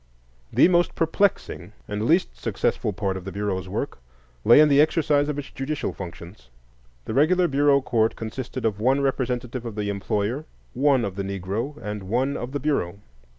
The most perplexing and least successful part of the Bureau's work lay in the exercise of its judicial functions. The regular Bureau court consisted of one representative of the employer, one of the Negro, and one of the Bureau.